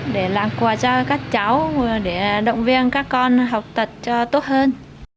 để làm quà cho các cháu để động viên các con học tật cho tốt hơn